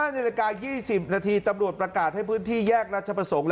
นาฬิกา๒๐นาทีตำรวจประกาศให้พื้นที่แยกราชประสงค์